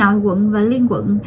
nội quận và liên quận